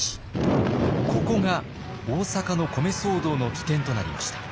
ここが大阪の米騒動の起点となりました。